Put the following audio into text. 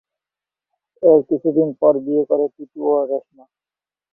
এর কিছুদিন পর বিয়ে করে টিটু ও রেশমা।